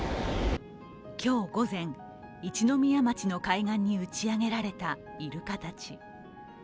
今日午前、一宮町の海岸に打ち上げられたイルカたち。